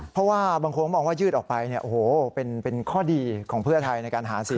เพราะว่าบางคนมองว่ายืดออกไปเนี่ยโอ้โหเป็นข้อดีของเพื่อไทยในการหาเสียง